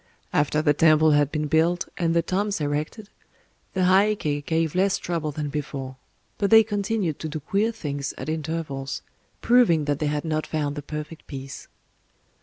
After the temple had been built, and the tombs erected, the Heiké gave less trouble than before; but they continued to do queer things at intervals,—proving that they had not found the perfect peace.